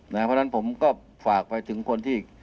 เพราะฉะนั้นผมก็ฝากไปถึงคนที่